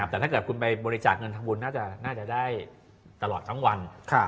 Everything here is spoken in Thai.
แต่ถ้าเกิดคุณไปบริจาคเงินทำบุญน่าจะได้ตลอดทั้งวัน